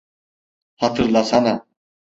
Hatırlasana.